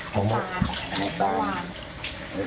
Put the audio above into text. พร้อมทุกสิทธิ์